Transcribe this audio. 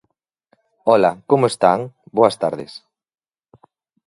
Ola, como están? Boas tardes.